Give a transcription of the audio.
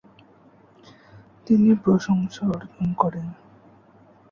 তিনি প্রশংসা অর্জন করেন।